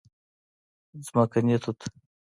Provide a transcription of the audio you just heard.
🍓ځمکني توت